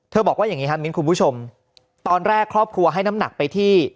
บอกว่าอย่างนี้ครับมิ้นคุณผู้ชมตอนแรกครอบครัวให้น้ำหนักไปที่